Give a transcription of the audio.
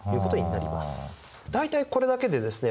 大体これだけでですね